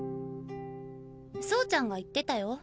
走ちゃんが言ってたよ。